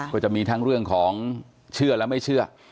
ก็จะมีทั้งเรื่องของเชื่อและไม่เชื่อ